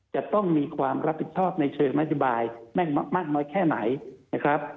จะต้องมีความรับผิดชอบในเชิงนโยบายแม่งมากน้อยแค่ไหนนะครับ